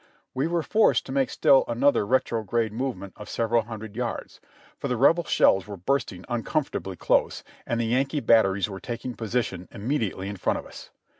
We were forced to make still another retrograde movement of several hundred yards, for the Rebel shells were bursting uncom fortably close, and the Yankee batteries were taking position im mediately in front of us.